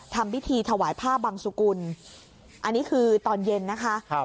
ทำพิธีถวายผ้าบังสุกุลอันนี้คือตอนเย็นนะคะครับ